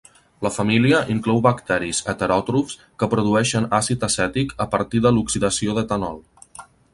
La família inclou bacteris heteròtrofs que produeixen àcid acètic a partir de l'oxidació d'etanol.